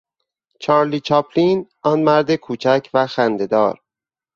چارلی چاپلین، آن مرد کوچک و خندهدار